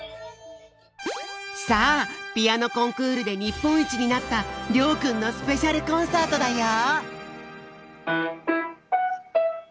さあピアノコンクールでにっぽんいちになったりょうくんのスペシャルコンサートだよ！